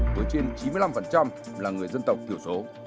với trên chín mươi năm là người dân tộc thiểu số